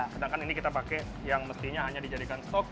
sedangkan ini kita pakai yang mestinya hanya dijadikan stok